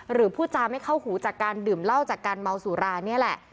หรือพูดจาไม่เข้าหูจากการดื่มเหล้าจากการเมาสุรานี่แหละ